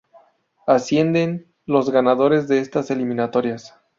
Ascienden los ganadores de estas eliminatorias.